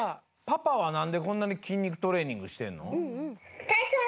パパはなんでこんなにきんにくトレーニングしてんの？